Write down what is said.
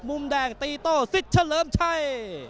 มุมแดงตีโต้สิทธิ์เฉลิมชัย